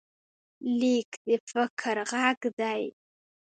لیک د فکر غږ دی.